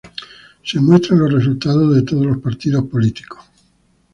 Se muestran los resultados de todos los partidos políticos.